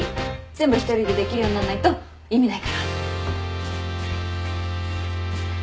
全部１人でできるようになんないと意味ないから。